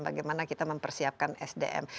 bagaimana kita mempersiapkan sdm